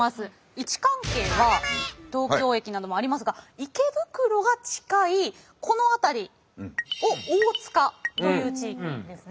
位置関係は東京駅などもありますが池袋が近いこの辺りを大塚という地域ですね。